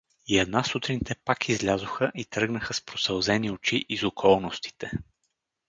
И една сутрин те пак излязоха и тръгнаха с просълзени очи из околностите.